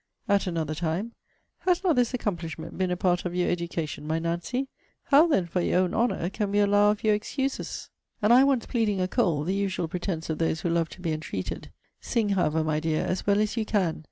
At another time, 'Has not this accomplishment been a part of your education, my Nancy? How, then, for your own honour, can we allow of your excuses?' And I once pleading a cold, the usual pretence of those who love to be entreated 'Sing, however, my dear, as well as you can.